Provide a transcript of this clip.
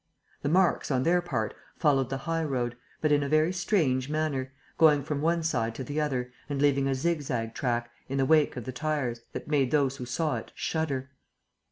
The marks, on their part, followed the high road, but in a very strange manner, going from one side to the other and leaving a zigzag track, in the wake of the tires, that made those who saw it shudder.